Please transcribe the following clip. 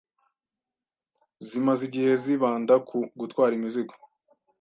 zimaze igihe zibanda ku gutwara imizigo,